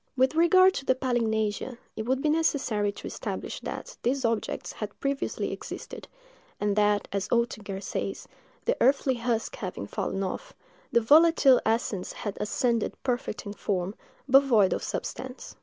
With regard to the palinganesia, it would be necessary to establish that these objects had previously existed, and that, as Oetinger says, the earthly husk having fallen off, "the volatile essence had ascended perfect in form, but void of substance."